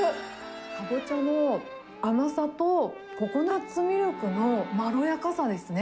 カボチャの甘さとココナツミルクのまろやかさですね。